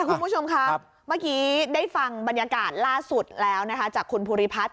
คุณผู้ชมครับเมื่อกี้ได้ฟังบรรยากาศล่าสุดแล้วนะคะจากคุณภูริพัฒน